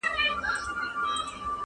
له حملو د غلیمانو له ستمه.!